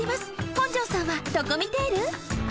本城さんはドコミテール？